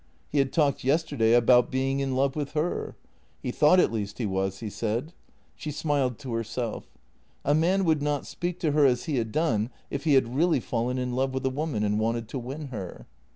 He had talked yesterday about being in love with her — he thought at least he was, he said. She smiled to herself. A man would not speak to her as he had done if he had really fallen in love with a woman and wanted to win her.